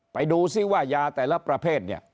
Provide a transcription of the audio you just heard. ไปดูซิว่ายาแต่ละประเภท